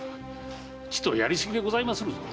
ちとやり過ぎでございまするぞ。